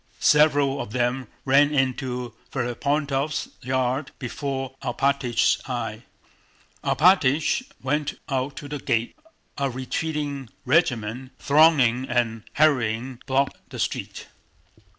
Several of them ran into Ferapóntov's yard before Alpátych's eyes. Alpátych went out to the gate. A retreating regiment, thronging and hurrying, blocked the street.